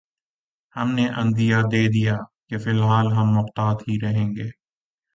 ہم نے عندیہ دے دیا ہے کہ فی الحال ہم محتاط ہی رہیں گے۔